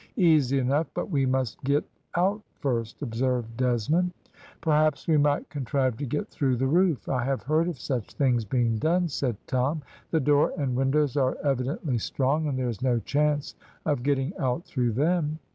"Easy enough, but we must get out first," observed Desmond. "Perhaps we might contrive to get through the roof, I have heard of such things being done," said Tom. "The door and windows are evidently strong, and there is no chance of getting out through them."